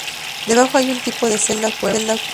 Debajo hay un tipo de celda o cueva.